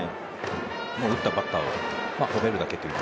打ったバッターをほめるだけという。